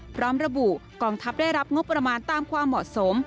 พร้อมระบุกองทัพได้รับงบประมาณตามความเหมาะสม